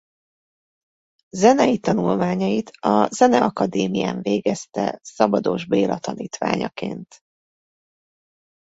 Zenei tanulmányait a Zeneakadémián végezte Szabados Béla tanítványaként.